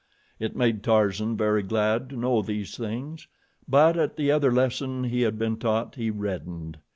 It made Tarzan very glad to know these things; but at the other lesson he had been taught he reddened.